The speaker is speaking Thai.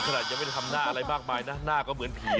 อุ๊ยใครไปผีมากันเนี่ย